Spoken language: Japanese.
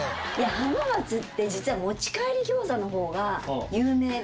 浜松って実は持ち帰り餃子の方が有名で。